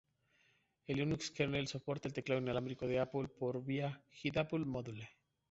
El Linux kernel soporta el teclado inalámbrico de Apple por via hid-apple module.